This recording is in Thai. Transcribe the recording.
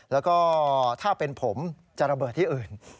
แล้วก็ถ้าเป็นผมจะระเบิดที่อื่น